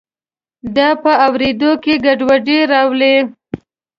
دا په اوریدو کې ګډوډي راولي.